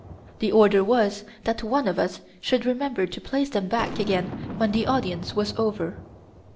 The order was that one of us should remember to place them back again when the audience was over.